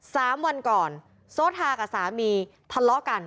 สามวันก่อนโซทากับสามีทะเลาะกัน